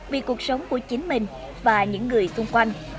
vì cuộc sống của chính mình và những người xung quanh